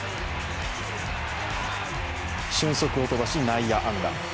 俊足を飛ばし内野安打。